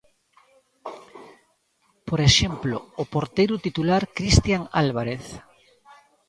Por exemplo, o porteiro titular, Cristian Álvarez.